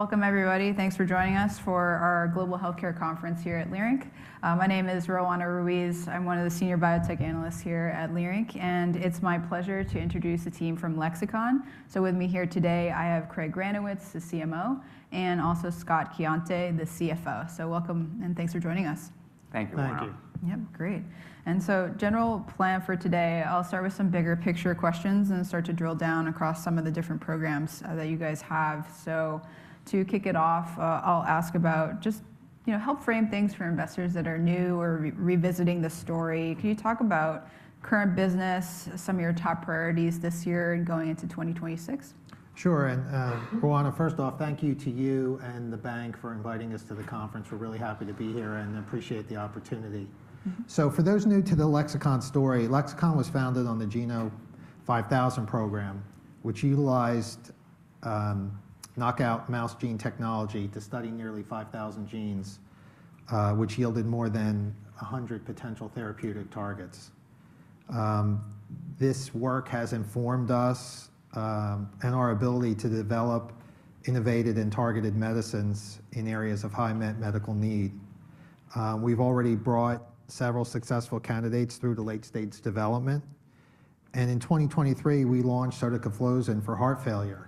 Welcome, everybody. Thanks for joining us for our Global Healthcare Conference here at Leerink. My name is Roanna Ruiz. I'm one of the senior biotech analysts here at Leerink, and it's my pleasure to introduce the team from Lexicon. With me here today, I have Craig Granowitz, the CMO, and also Scott Coiante, the CFO. Welcome, and thanks for joining us. Thank you, Roanna. Thank you. Great. General plan for today, I'll start with some bigger picture questions and start to drill down across some of the different programs that you guys have. To kick it off, I'll ask about just help frame things for investors that are new or revisiting the story. Can you talk about current business, some of your top priorities this year and going into 2026? Sure. Roanna, first off, thank you to you and the bank for inviting us to the conference. We're really happy to be here and appreciate the opportunity. For those new to the Lexicon story, Lexicon was founded on the Genome5000 program, which utilized knockout mouse gene technology to study nearly 5,000 genes, which yielded more than 100 potential therapeutic targets. This work has informed us and our ability to develop innovative and targeted medicines in areas of high medical need. We've already brought several successful candidates through to late-stage development. In 2023, we launched sotagliflozin for heart failure.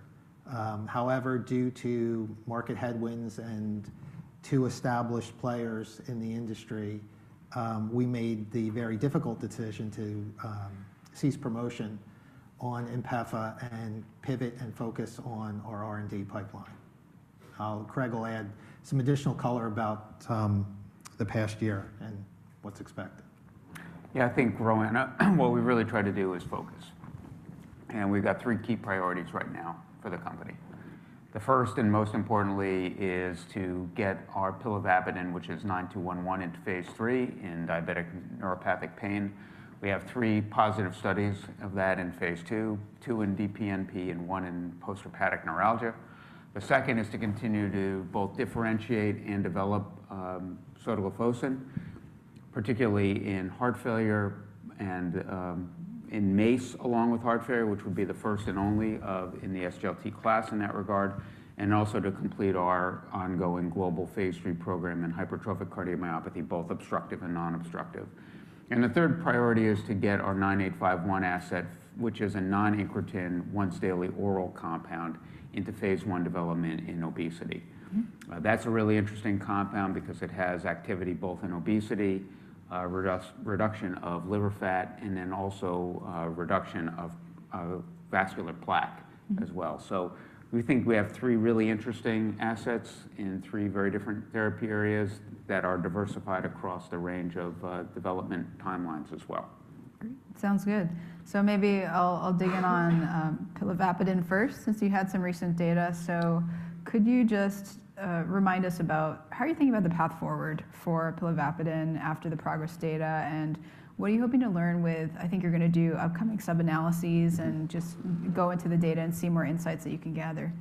However, due to market headwinds and two established players in the industry, we made the very difficult decision to cease promotion on INPEFA and pivot and focus on our R&D pipeline. Craig will add some additional color about the past year and what's expected. Yeah, I think, Roanna, what we really try to do is focus. We have three key priorities right now for the company. The first, and most importantly, is to get our pilavapadin, which is LX9211, into phase III in diabetic neuropathic pain. We have three positive studies of that in phase II, two in DPNP, and one in post-herpetic neuralgia. The second is to continue to both differentiate and develop sotagliflozin, particularly in heart failure and in MACE, along with heart failure, which would be the first and only in the SGLT class in that regard, and also to complete our ongoing global phase III program in hypertrophic cardiomyopathy, both obstructive and non-obstructive. The third priority is to get our LX9851 asset, which is a non-incretin once-daily oral compound, into phase I development in obesity. That's a really interesting compound because it has activity both in obesity, reduction of liver fat, and then also reduction of vascular plaque as well. We think we have three really interesting assets in three very different therapy areas that are diversified across the range of development timelines as well. Great. Sounds good. Maybe I'll dig in on pilavapadin first, since you had some recent data. Could you just remind us about how you are thinking about the path forward for pilavapadin after the PROGRESS data? What are you hoping to learn with, I think you're going to do upcoming sub-analyses, and just go into the data and see more insights that you can gather.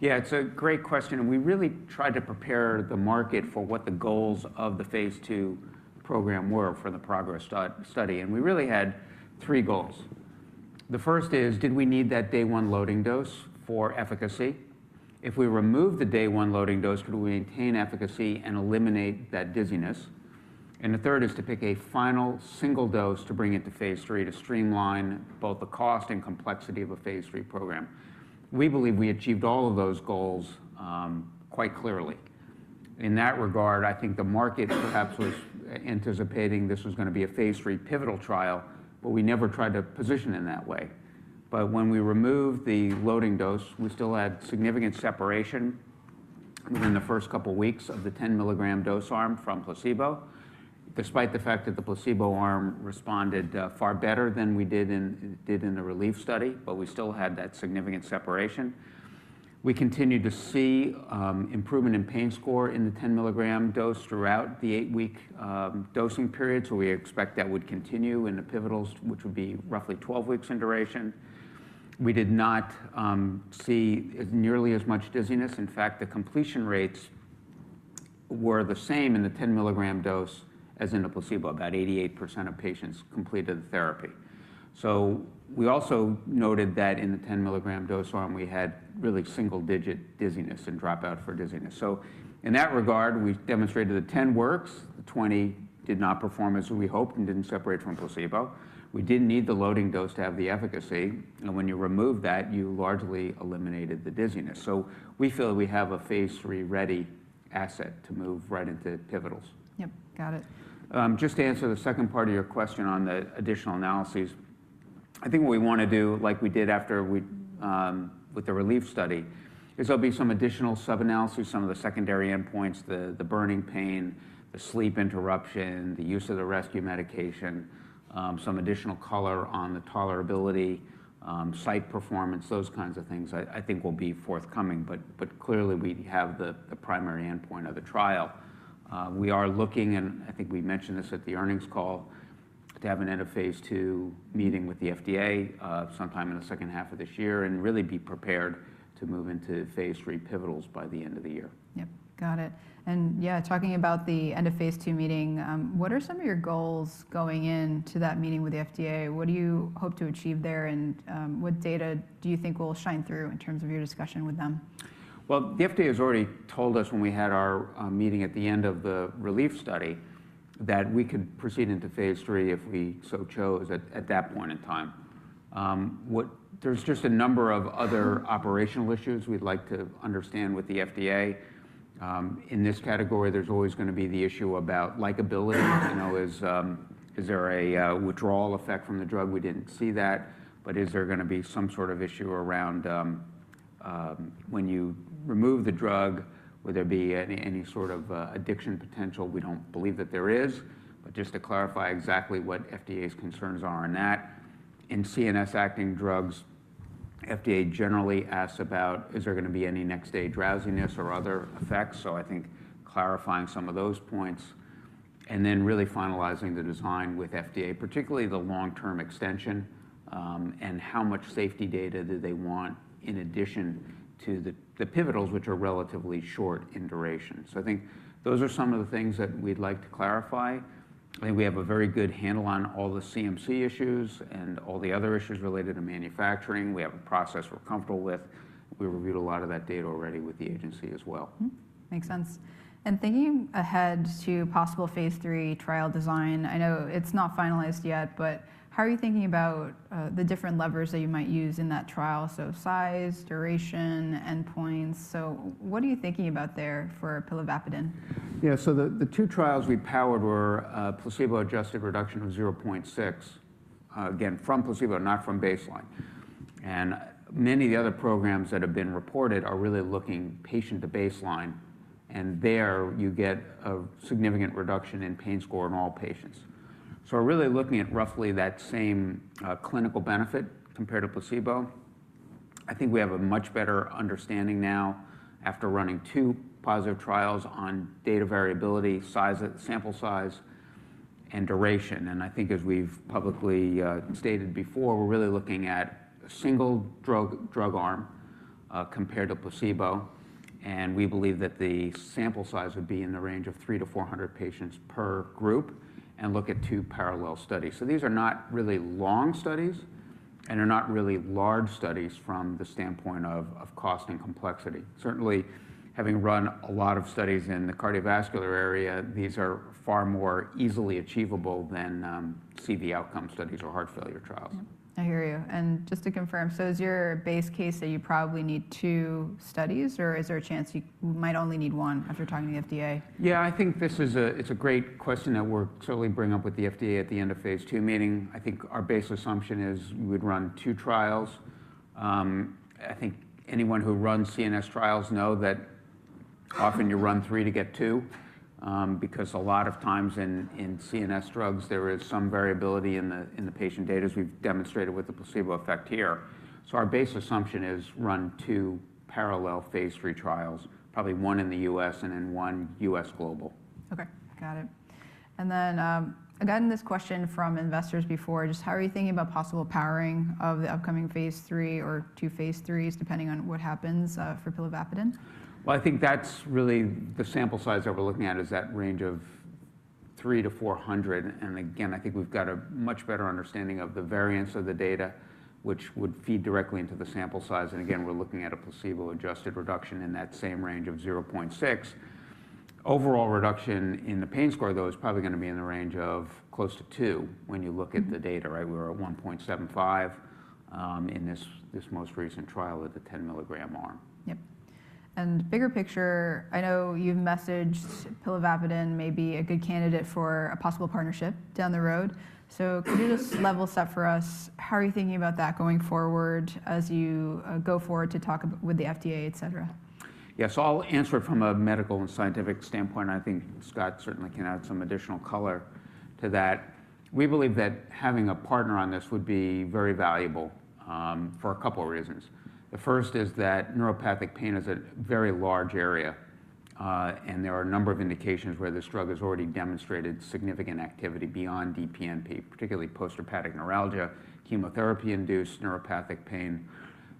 Yeah, it's a great question. We really tried to prepare the market for what the goals of the phase II program were for the PROGRESS study. We really had three goals. The first is, did we need that day one loading dose for efficacy? If we remove the day one loading dose, could we maintain efficacy and eliminate that dizziness? The third is to pick a final single dose to bring it to phase III to streamline both the cost and complexity of a phase III program. We believe we achieved all of those goals quite clearly. In that regard, I think the market perhaps was anticipating this was going to be a phase III pivotal trial, but we never tried to position it in that way. When we removed the loading dose, we still had significant separation within the first couple of weeks of the 10 mg dose arm from placebo, despite the fact that the placebo arm responded far better than we did in the RELIEF study, but we still had that significant separation. We continued to see improvement in pain score in the 10 mg dose throughout the eight-week dosing period. We expect that would continue in the pivotals, which would be roughly 12 weeks in duration. We did not see nearly as much dizziness. In fact, the completion rates were the same in the 10 mg dose as in the placebo. About 88% of patients completed the therapy. We also noted that in the 10 mg dose arm, we had really single-digit dizziness and dropout for dizziness. In that regard, we demonstrated the 10 mg works, the 20 mg did not perform as we hoped and did not separate from placebo. We did not need the loading dose to have the efficacy. When you remove that, you largely eliminated the dizziness. We feel that we have a phase III ready asset to move right into pivotals. Yep, got it. Just to answer the second part of your question on the additional analyses, I think what we want to do, like we did after with the RELIEF study, is there will be some additional sub-analyses, some of the secondary endpoints, the burning pain, the sleep interruption, the use of the rescue medication, some additional color on the tolerability, site performance, those kinds of things I think will be forthcoming. Clearly, we have the primary endpoint of the trial. We are looking, and I think we mentioned this at the earnings call, to have an end of phase II meeting with the FDA sometime in the second half of this year and really be prepared to move into phase III pivotals by the end of the year. Yep, got it. Yeah, talking about the end of phase II meeting, what are some of your goals going into that meeting with the FDA? What do you hope to achieve there, and what data do you think will shine through in terms of your discussion with them? The FDA has already told us when we had our meeting at the end of the RELIEF study that we could proceed into phase III if we so chose at that point in time. There is just a number of other operational issues we would like to understand with the FDA. In this category, there is always going to be the issue about likability. Is there a withdrawal effect from the drug? We did not see that. Is there going to be some sort of issue around when you remove the drug, would there be any sort of addiction potential? We do not believe that there is, but just to clarify exactly what FDA's concerns are in that. In CNS acting drugs, FDA generally asks about, is there going to be any next-day drowsiness or other effects? I think clarifying some of those points and then really finalizing the design with FDA, particularly the long-term extension and how much safety data do they want in addition to the pivotals, which are relatively short in duration. I think those are some of the things that we'd like to clarify. I think we have a very good handle on all the CMC issues and all the other issues related to manufacturing. We have a process we're comfortable with. We reviewed a lot of that data already with the agency as well. Makes sense. Thinking ahead to possible phase III trial design, I know it's not finalized yet, but how are you thinking about the different levers that you might use in that trial? Size, duration, endpoints. What are you thinking about there for pilavapadin? Yeah, so the two trials we powered were placebo-adjusted reduction of 0.6, again, from placebo, not from baseline. Many of the other programs that have been reported are really looking patient to baseline. There you get a significant reduction in pain score in all patients. We are really looking at roughly that same clinical benefit compared to placebo. I think we have a much better understanding now after running two positive trials on data variability, sample size, and duration. I think as we've publicly stated before, we are really looking at a single drug arm compared to placebo. We believe that the sample size would be in the range of 300-400 patients per group and look at two parallel studies. These are not really long studies and are not really large studies from the standpoint of cost and complexity. Certainly, having run a lot of studies in the cardiovascular area, these are far more easily achievable than CV outcome studies or heart failure trials. I hear you. Just to confirm, is your base case that you probably need two studies, or is there a chance you might only need one after talking to the FDA? Yeah, I think this is a great question that we'll certainly bring up with the FDA at the end of phase II meeting. I think our base assumption is we would run two trials. I think anyone who runs CNS trials knows that often you run three to get two because a lot of times in CNS drugs, there is some variability in the patient data, as we've demonstrated with the placebo effect here. Our base assumption is run two parallel phase III trials, probably one in the U.S. and then one U.S. global. Okay, got it. I got in this question from investors before, just how are you thinking about possible powering of the upcoming phase III or two phase IIIs, depending on what happens for pilavapadin? I think that's really the sample size that we're looking at is that range of 300-400. I think we've got a much better understanding of the variance of the data, which would feed directly into the sample size. We're looking at a placebo-adjusted reduction in that same range of 0.6. Overall reduction in the pain score, though, is probably going to be in the range of close to two when you look at the data. We were at 1.75 in this most recent trial of the 10 mg arm. Yep. And bigger picture, I know you've messaged pilavapadin may be a good candidate for a possible partnership down the road. Could you just level set for us how are you thinking about that going forward as you go forward to talk with the FDA, et cetera? Yeah, so I'll answer it from a medical and scientific standpoint. I think Scott certainly can add some additional color to that. We believe that having a partner on this would be very valuable for a couple of reasons. The first is that neuropathic pain is a very large area, and there are a number of indications where this drug has already demonstrated significant activity beyond DPNP, particularly post-herpetic neuralgia, chemotherapy-induced neuropathic pain.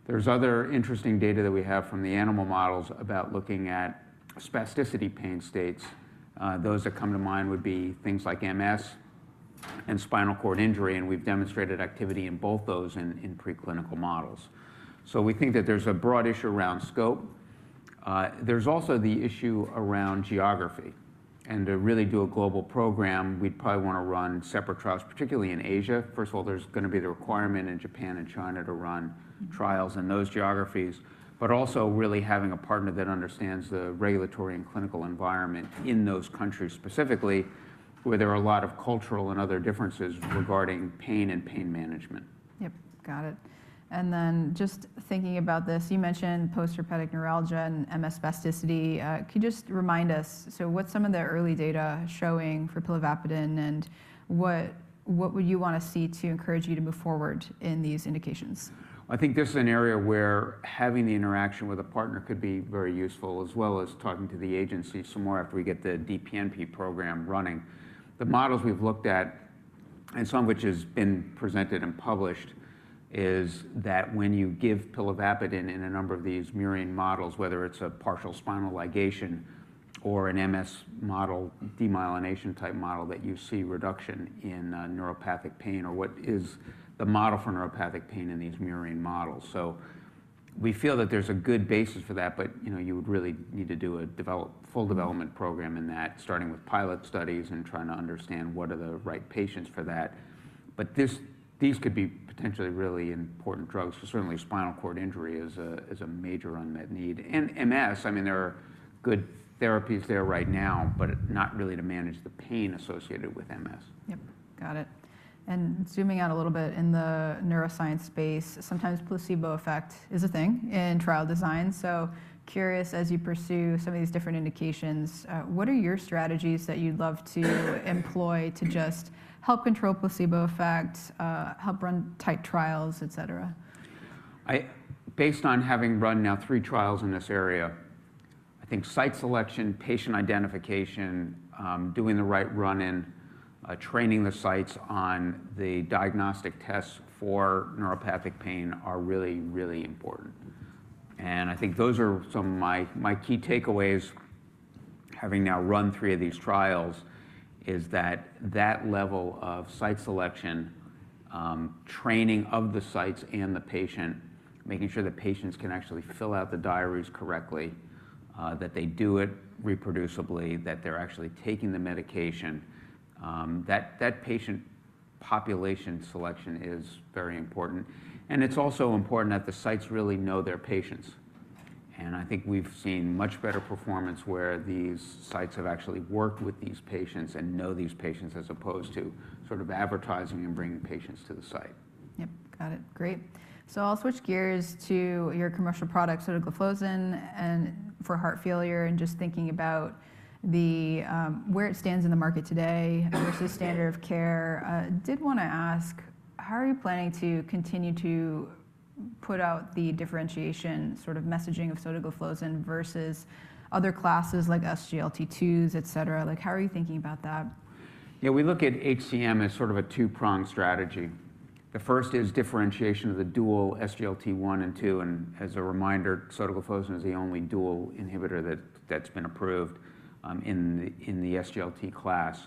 There is other interesting data that we have from the animal models about looking at spasticity pain states. Those that come to mind would be things like MS and spinal cord injury. We have demonstrated activity in both those in preclinical models. We think that there is a broad issue around scope. There is also the issue around geography. To really do a global program, we would probably want to run separate trials, particularly in Asia. First of all, there's going to be the requirement in Japan and China to run trials in those geographies, but also really having a partner that understands the regulatory and clinical environment in those countries specifically, where there are a lot of cultural and other differences regarding pain and pain management. Yep, got it. You mentioned post-herpetic neuralgia and MS spasticity. Could you just remind us, so what's some of the early data showing for pilavapadin, and what would you want to see to encourage you to move forward in these indications? I think this is an area where having the interaction with a partner could be very useful, as well as talking to the agency some more after we get the DPNP program running. The models we've looked at, and some of which has been presented and published, is that when you give pilavapadin in a number of these myelin models, whether it's a partial spinal ligation or an MS model, demyelination type model, that you see reduction in neuropathic pain or what is the model for neuropathic pain in these myelin models. We feel that there's a good basis for that, but you would really need to do a full development program in that, starting with pilot studies and trying to understand what are the right patients for that. These could be potentially really important drugs. Certainly, spinal cord injury is a major unmet need. MS, I mean, there are good therapies there right now, but not really to manage the pain associated with MS. Yep, got it. Zooming out a little bit in the neuroscience space, sometimes placebo effect is a thing in trial design. Curious, as you pursue some of these different indications, what are your strategies that you'd love to employ to just help control placebo effect, help run tight trials, et cetera? Based on having run now three trials in this area, I think site selection, patient identification, doing the right run-in, training the sites on the diagnostic tests for neuropathic pain are really, really important. I think those are some of my key takeaways. Having now run three of these trials is that that level of site selection, training of the sites and the patient, making sure that patients can actually fill out the diaries correctly, that they do it reproducibly, that they're actually taking the medication, that patient population selection is very important. It is also important that the sites really know their patients. I think we've seen much better performance where these sites have actually worked with these patients and know these patients as opposed to sort of advertising and bringing patients to the site. Yep, got it. Great. I'll switch gears to your commercial product, sotagliflozin, for heart failure and just thinking about where it stands in the market today versus standard of care. I did want to ask, how are you planning to continue to put out the differentiation sort of messaging of sotagliflozin versus other classes like SGLT2s, et cetera? How are you thinking about that? Yeah, we look at HCM as sort of a two-pronged strategy. The first is differentiation of the dual SGLT1 and SGLT2. And as a reminder, sotagliflozin is the only dual inhibitor that's been approved in the SGLT class.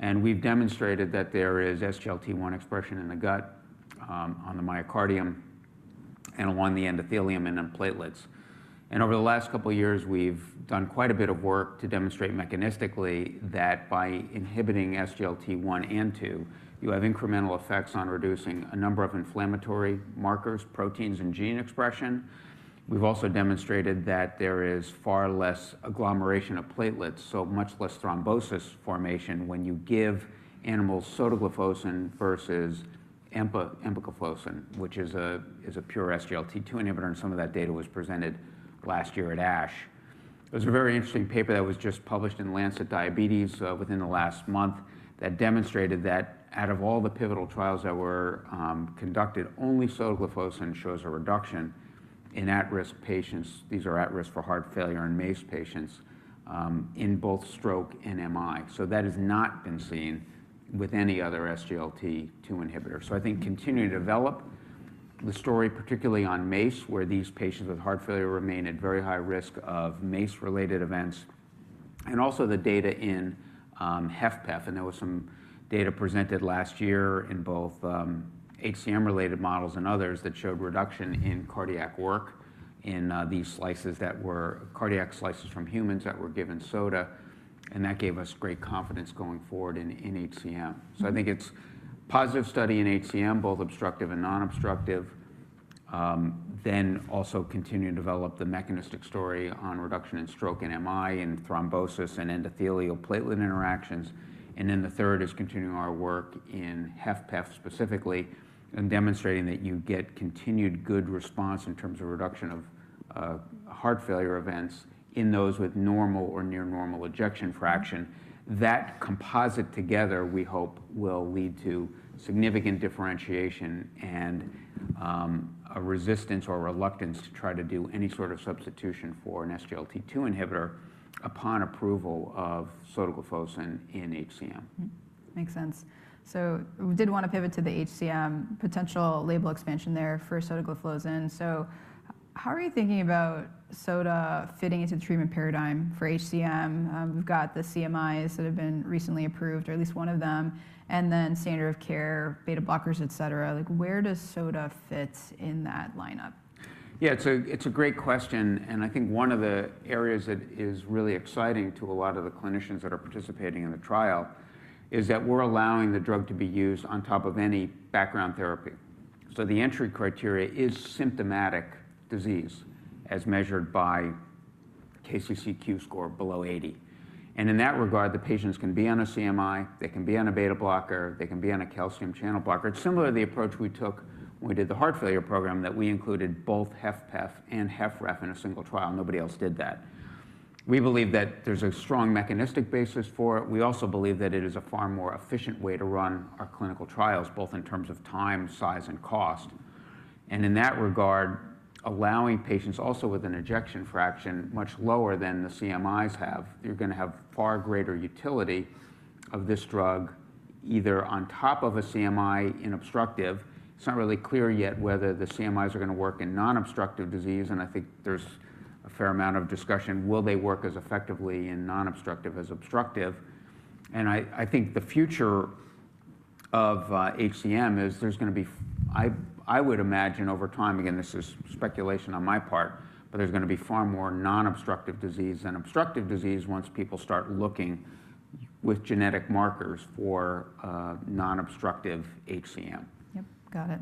We've demonstrated that there is SGLT1 expression in the gut, on the myocardium, and along the endothelium and in platelets. Over the last couple of years, we've done quite a bit of work to demonstrate mechanistically that by inhibiting SGLT1 and SGLT2, you have incremental effects on reducing a number of inflammatory markers, proteins, and gene expression. We've also demonstrated that there is far less agglomeration of platelets, so much less thrombosis formation when you give animals sotagliflozin versus empagliflozin, which is a pure SGLT2 inhibitor. Some of that data was presented last year at ASH. There's a very interesting paper that was just published in Lancet Diabetes within the last month that demonstrated that out of all the pivotal trials that were conducted, only sotagliflozin shows a reduction in at-risk patients. These are at risk for heart failure and MACE patients in both stroke and MI. That has not been seen with any other SGLT2 inhibitor. I think continuing to develop the story, particularly on MACE, where these patients with heart failure remain at very high risk of MACE-related events, and also the data in HFpEF. There was some data presented last year in both HCM-related models and others that showed reduction in cardiac work in these slices that were cardiac slices from humans that were given sota. That gave us great confidence going forward in HCM. I think it's a positive study in HCM, both obstructive and non-obstructive. Also continue to develop the mechanistic story on reduction in stroke and MI and thrombosis and endothelial platelet interactions. The third is continuing our work in HFpEF specifically and demonstrating that you get continued good response in terms of reduction of heart failure events in those with normal or near normal ejection fraction. That composite together, we hope, will lead to significant differentiation and a resistance or reluctance to try to do any sort of substitution for an SGLT2 inhibitor upon approval of sotagliflozin in HCM. Makes sense. We did want to pivot to the HCM potential label expansion there for sotagliflozin. How are you thinking about sota fitting into the treatment paradigm for HCM? We've got the CMIs that have been recently approved, or at least one of them, and then standard of care, beta blockers, et cetera. Where does sota fit in that lineup? Yeah, it's a great question. I think one of the areas that is really exciting to a lot of the clinicians that are participating in the trial is that we're allowing the drug to be used on top of any background therapy. The entry criteria is symptomatic disease as measured by KCCQ score below 80. In that regard, the patients can be on a CMI, they can be on a beta blocker, they can be on a calcium channel blocker. It's similar to the approach we took when we did the heart failure program that we included both HFpEF and HFrEF in a single trial. Nobody else did that. We believe that there's a strong mechanistic basis for it. We also believe that it is a far more efficient way to run our clinical trials, both in terms of time, size, and cost. In that regard, allowing patients also with an ejection fraction much lower than the CMIs have, you're going to have far greater utility of this drug either on top of a CMI in obstructive. It's not really clear yet whether the CMIs are going to work in non-obstructive disease. I think there's a fair amount of discussion. Will they work as effectively in non-obstructive as obstructive? I think the future of HCM is there's going to be, I would imagine over time, again, this is speculation on my part, but there's going to be far more non-obstructive disease than obstructive disease once people start looking with genetic markers for non-obstructive HCM. Yep, got it.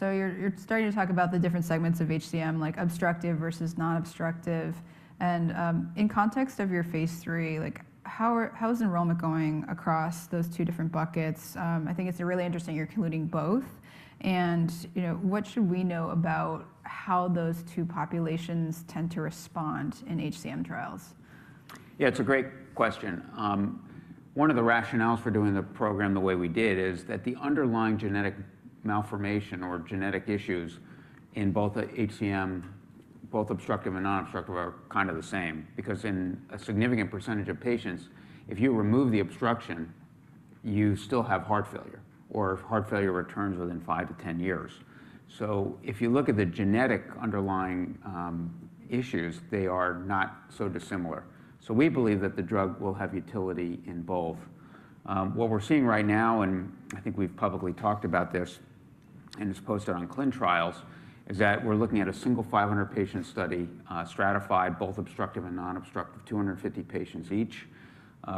You're starting to talk about the different segments of HCM, like obstructive versus non-obstructive. In context of your phase III, how is enrollment going across those two different buckets? I think it's really interesting you're including both. What should we know about how those two populations tend to respond in HCM trials? Yeah, it's a great question. One of the rationales for doing the program the way we did is that the underlying genetic malformation or genetic issues in both HCM, both obstructive and non-obstructive, are kind of the same because in a significant percentage of patients, if you remove the obstruction, you still have heart failure or heart failure returns within five to ten years. If you look at the genetic underlying issues, they are not so dissimilar. We believe that the drug will have utility in both. What we're seeing right now, and I think we've publicly talked about this and it's posted on ClinicalTrials, is that we're looking at a single 500-patient study stratified, both obstructive and non-obstructive, 250 patients each.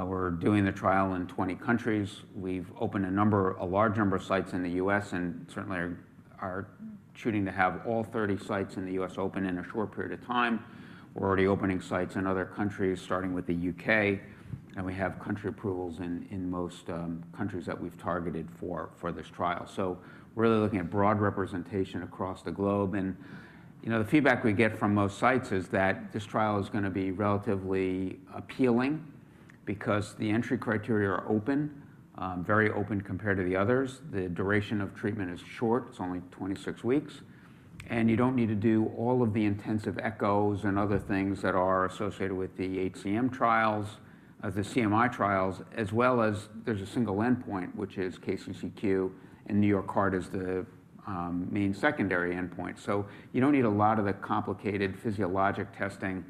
We're doing the trial in 20 countries. We've opened a large number of sites in the U.S. and certainly are shooting to have all 30 sites in the U.S. open in a short period of time. We're already opening sites in other countries, starting with the U.K. We have country approvals in most countries that we've targeted for this trial. We're really looking at broad representation across the globe. The feedback we get from most sites is that this trial is going to be relatively appealing because the entry criteria are open, very open compared to the others. The duration of treatment is short. It's only 26 weeks. You don't need to do all of the intensive echoes and other things that are associated with the HCM trials, the CMI trials, as well as there's a single endpoint, which is KCCQ, and New York Heart is the main secondary endpoint. You do not need a lot of the complicated physiologic testing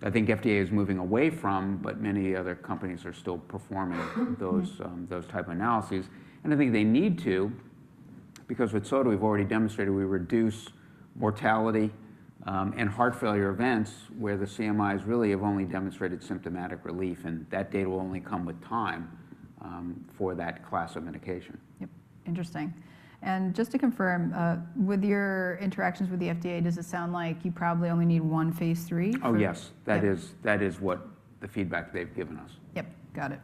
that I think FDA is moving away from, but many other companies are still performing those type analyses. I think they need to because with sota, we have already demonstrated we reduce mortality and heart failure events where the CMIs really have only demonstrated symptomatic relief. That data will only come with time for that class of medication. Yep, interesting. Just to confirm, with your interactions with the FDA, does it sound like you probably only need one phase III? Oh, yes. That is what the feedback they've given us. Yep, got it.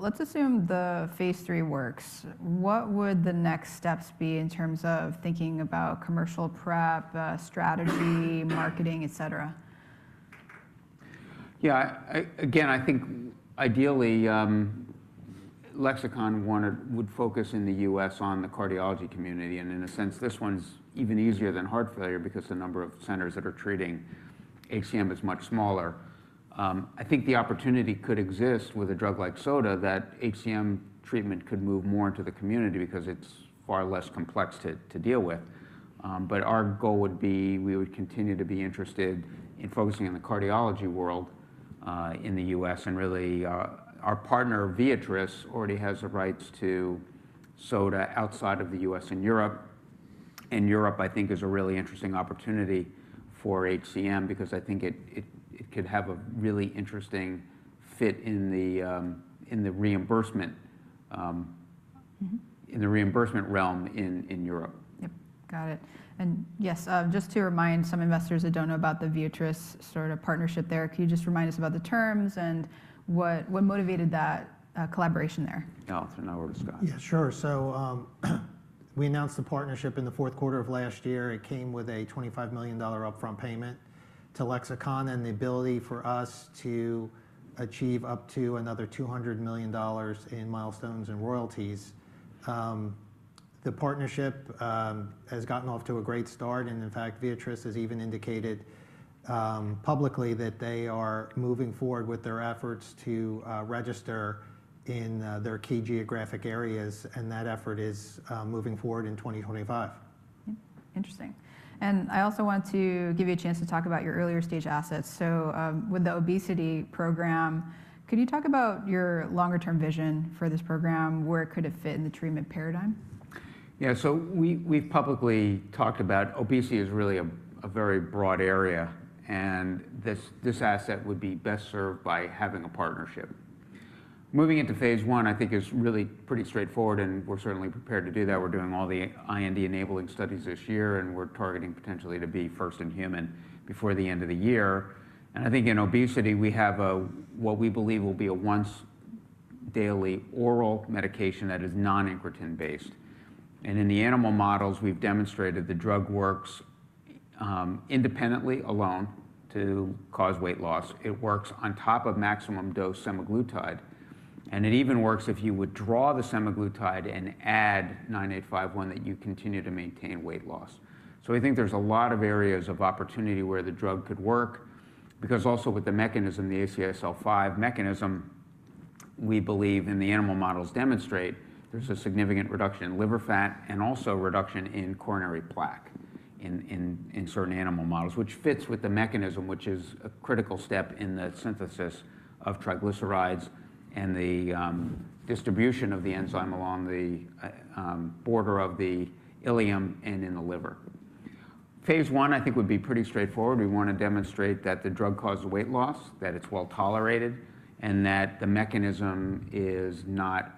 Let's assume the phase III works. What would the next steps be in terms of thinking about commercial prep, strategy, marketing, et cetera? Yeah, again, I think ideally Lexicon would focus in the U.S. on the cardiology community. In a sense, this one's even easier than heart failure because the number of centers that are treating HCM is much smaller. I think the opportunity could exist with a drug like sota that HCM treatment could move more into the community because it's far less complex to deal with. Our goal would be we would continue to be interested in focusing on the cardiology world in the U.S. Really, our partner Viatris already has rights to sota outside of the U.S. and Europe. Europe, I think, is a really interesting opportunity for HCM because I think it could have a really interesting fit in the reimbursement realm in Europe. Yep, got it. Yes, just to remind some investors that do not know about the Viatris sort of partnership there, can you just remind us about the terms and what motivated that collaboration there? Alternator Scott. Yeah, sure. We announced the partnership in the fourth quarter of last year. It came with a $25 million upfront payment to Lexicon and the ability for us to achieve up to another $200 million in milestones and royalties. The partnership has gotten off to a great start. In fact, Viatris has even indicated publicly that they are moving forward with their efforts to register in their key geographic areas. That effort is moving forward in 2025. Interesting. I also want to give you a chance to talk about your earlier stage assets. With the obesity program, could you talk about your longer-term vision for this program? Where could it fit in the treatment paradigm? Yeah, we've publicly talked about obesity is really a very broad area. This asset would be best served by having a partnership. Moving into phase I, I think, is really pretty straightforward. We're certainly prepared to do that. We're doing all the IND enabling studies this year. We're targeting potentially to be first in human before the end of the year. I think in obesity, we have what we believe will be a once-daily oral medication that is non-incretin based. In the animal models, we've demonstrated the drug works independently alone to cause weight loss. It works on top of maximum dose semaglutide. It even works if you withdraw the semaglutide and add LX9851, that you continue to maintain weight loss. I think there's a lot of areas of opportunity where the drug could work because also with the mechanism, the ACSL5 mechanism, we believe in the animal models demonstrate there's a significant reduction in liver fat and also reduction in coronary plaque in certain animal models, which fits with the mechanism, which is a critical step in the synthesis of triglycerides and the distribution of the enzyme along the border of the ileum and in the liver. phase I, I think, would be pretty straightforward. We want to demonstrate that the drug causes weight loss, that it's well tolerated, and that the mechanism is not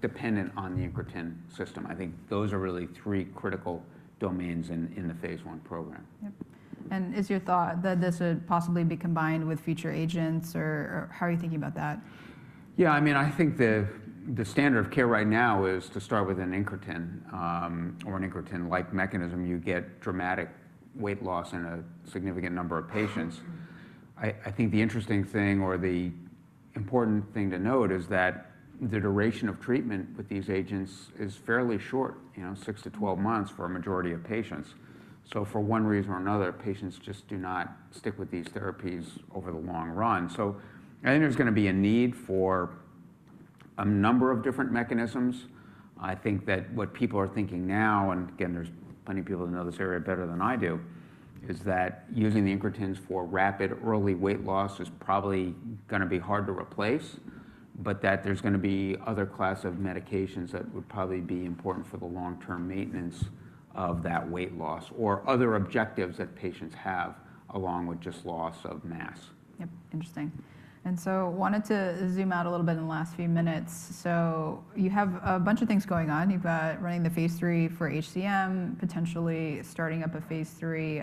dependent on the incretin system. I think those are really three critical domains in the phase I program. Yep. Is your thought that this would possibly be combined with future agents? Or how are you thinking about that? Yeah, I mean, I think the standard of care right now is to start with an incretin or an incretin-like mechanism. You get dramatic weight loss in a significant number of patients. I think the interesting thing or the important thing to note is that the duration of treatment with these agents is fairly short, 6-12 months for a majority of patients. For one reason or another, patients just do not stick with these therapies over the long run. I think there's going to be a need for a number of different mechanisms. I think that what people are thinking now, and again, there's plenty of people that know this area better than I do, is that using the incretins for rapid early weight loss is probably going to be hard to replace, but that there's going to be other class of medications that would probably be important for the long-term maintenance of that weight loss or other objectives that patients have along with just loss of mass. Interesting. I wanted to zoom out a little bit in the last few minutes. You have a bunch of things going on. You have running the phase III for HCM, potentially starting up a phase III,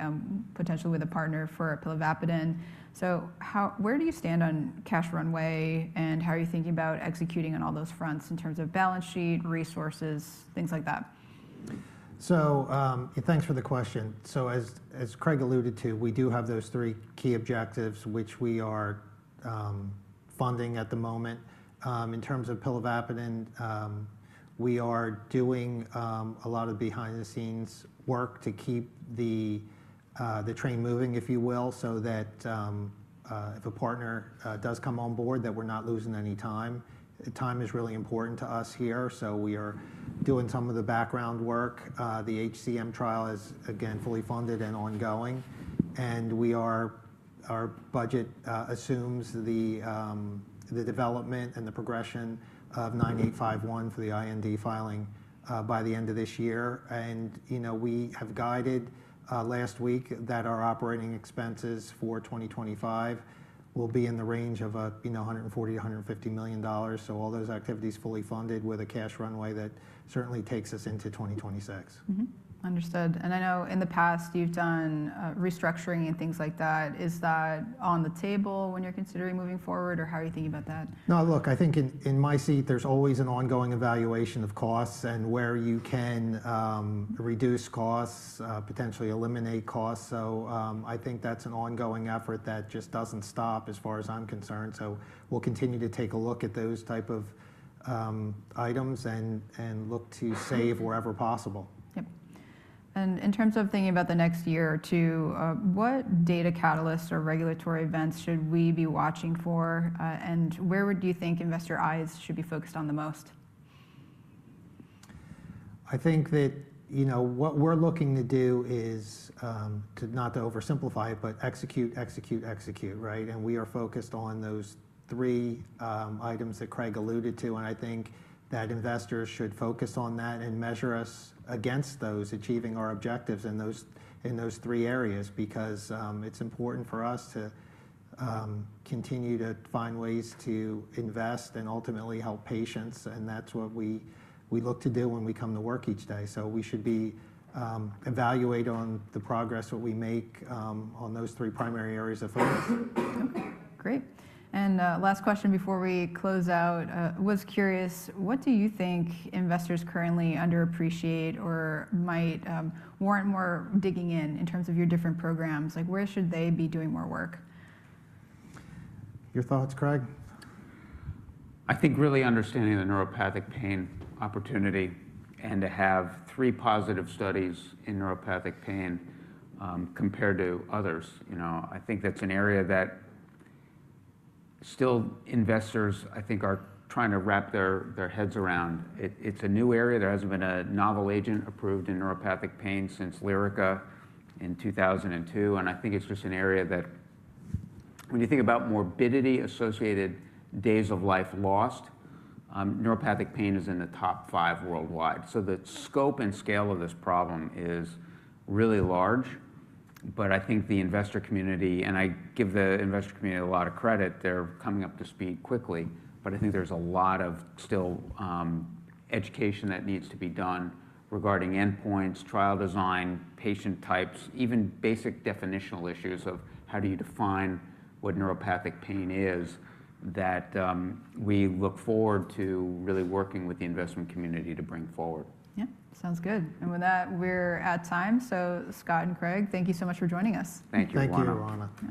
potentially with a partner for pilavapadin. Where do you stand on cash runway? How are you thinking about executing on all those fronts in terms of balance sheet, resources, things like that? Thanks for the question. As Craig alluded to, we do have those three key objectives, which we are funding at the moment. In terms of pilavapadin, we are doing a lot of behind-the-scenes work to keep the train moving, if you will, so that if a partner does come on board, that we're not losing any time. Time is really important to us here. We are doing some of the background work. The HCM trial is, again, fully funded and ongoing. Our budget assumes the development and the progression of LX9851 for the IND filing by the end of this year. We have guided last week that our operating expenses for 2025 will be in the range of $140 million-$150 million. All those activities are fully funded with a cash runway that certainly takes us into 2026. Understood. I know in the past you've done restructuring and things like that. Is that on the table when you're considering moving forward? How are you thinking about that? No, look, I think in my seat, there's always an ongoing evaluation of costs and where you can reduce costs, potentially eliminate costs. I think that's an ongoing effort that just doesn't stop as far as I'm concerned. We'll continue to take a look at those type of items and look to save wherever possible. Yep. In terms of thinking about the next year or two, what data catalysts or regulatory events should we be watching for? Where do you think investor eyes should be focused on the most? I think that what we're looking to do is to not to oversimplify it, but execute, execute, execute, right? We are focused on those three items that Craig alluded to. I think that investors should focus on that and measure us against those achieving our objectives in those three areas because it's important for us to continue to find ways to invest and ultimately help patients. That's what we look to do when we come to work each day. We should evaluate on the progress that we make on those three primary areas of focus. Okay, great. Last question before we close out. I was curious, what do you think investors currently underappreciate or might warrant more digging in in terms of your different programs? Where should they be doing more work? Your thoughts, Craig? I think really understanding the neuropathic pain opportunity and to have three positive studies in neuropathic pain compared to others. I think that's an area that still investors, I think, are trying to wrap their heads around. It's a new area. There hasn't been a novel agent approved in neuropathic pain since Lyrica in 2002. I think it's just an area that when you think about morbidity-associated days of life lost, neuropathic pain is in the top five worldwide. The scope and scale of this problem is really large. I think the investor community, and I give the investor community a lot of credit, they're coming up to speed quickly. I think there's a lot of still education that needs to be done regarding endpoints, trial design, patient types, even basic definitional issues of how do you define what neuropathic pain is that we look forward to really working with the investment community to bring forward. Yep, sounds good. With that, we're at time. Scott and Craig, thank you so much for joining us. Thank you. Thank you, Roanna.